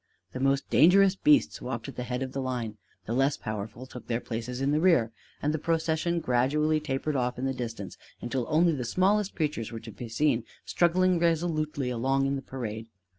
The most dangerous beasts walked at the head of the line; the less powerful took their places in the rear; and the procession gradually tapered off in the distance until only the smallest creatures were to be seen struggling resolutely along in the parade.